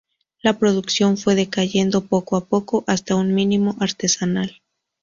La producción fue decayendo poco a poco hasta un mínimo artesanal.